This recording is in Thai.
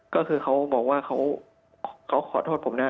ก็คือเขาบอกว่าเขาขอโทษผมนะ